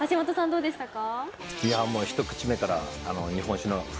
どうでしたか？